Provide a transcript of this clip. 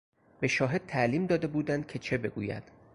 به شاهد تعلیم داده بودند که چه بگوید.